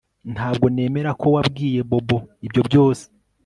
Ntabwo nemera ko wabwiye Bobo ibyo byose